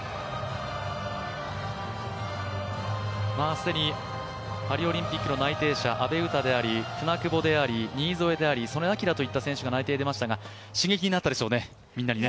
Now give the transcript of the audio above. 既にパリオリンピックの内定者、阿部詩であり舟久保であり、新添であり、素根輝といった選手が内定が出ましたが、刺激になったでしょうね。